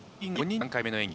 ４回目の演技